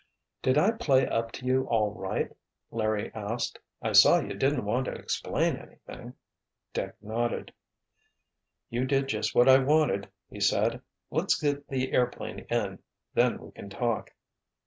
"Did I play up to you all right?" Larry asked. "I saw you didn't want to explain anything." Dick nodded. "You did just what I wanted," he said. "Let's get the airplane in. Then we can talk."